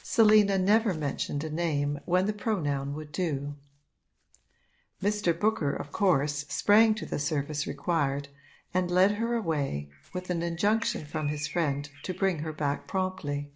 Selina never mentioned a name when the pronoun would do. Mr. Booker of course sprang to the service required and led her away, with an injunction from his friend to bring her back promptly.